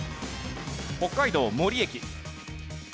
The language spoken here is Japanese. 北海道森駅。